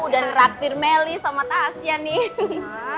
udah ngeraktir meli sama tasya nih